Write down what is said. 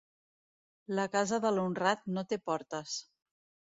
La casa de l'honrat no té portes.